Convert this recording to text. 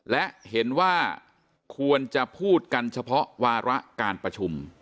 และเห็นว่าควรจะพูดกันเฉพาะวาระการประชุม